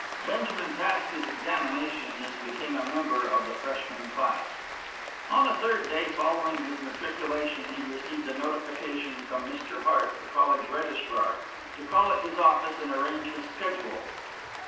Benjamin passed his examination and became a member of the freshman class. On the third day following his matriculation he received a notification from Mr. Hart, the college registrar, to call at his office and arrange his schedule.